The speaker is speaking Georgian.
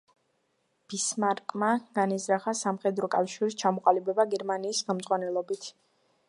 ბისმარკმა განიზრახა სამხედრო კავშირის ჩამოყალიბება გერმანიის ხელმძღვანელობით.